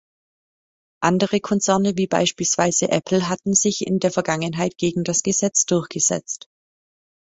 Andere Konzerne wie beispielsweise Apple hatten sich in der Vergangenheit gegen das Gesetz durchgesetzt.